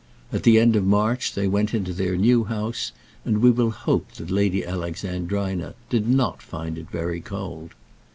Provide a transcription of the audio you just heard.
At the end of March they went into their new house, and we will hope that Lady Alexandrina did not find it very cold.